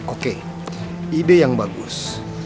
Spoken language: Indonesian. oke ide yang bagus